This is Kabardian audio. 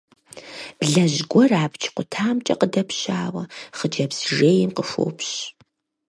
Блэжь гуэр абдж къутамкӀэ къыдэпщауэ хъыджэбз жейм къыхуопщ.